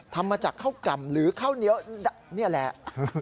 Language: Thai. ทำมาจากข้าวก่ำหรือข้าวเหนียวนี่แหละ